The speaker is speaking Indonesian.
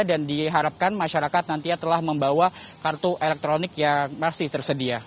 dan diharapkan masyarakat nantinya telah membawa kartu elektronik yang masih tersedia